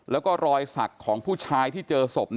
แล้วก็รอยสักของผู้ชายที่เจอศพ